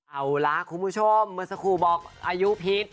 เอาล่ะคุณผู้ชมเมื่อสักครู่บอกอายุพิษ